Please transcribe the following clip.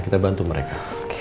kita bantu mereka